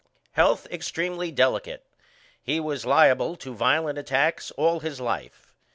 Health extremely delicate; he was liable to violent attacks all his life.